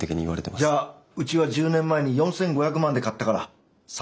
じゃあうちは１０年前に４，５００万で買ったから３，０００万